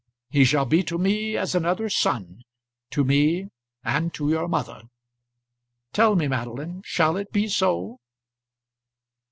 He shall be to me as another son, to me and to your mother. Tell me, Madeline, shall it be so?"